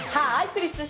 クリス。